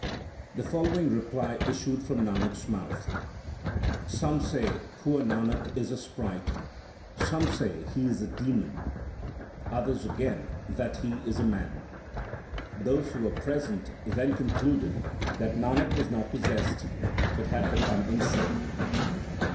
The following reply issued from Nanak s mouth : Some say poor Nanak is a sprite, some say that he is a demon, Others again that he is a man. Those who were present then concluded that Nanak was not possessed, but had become insane.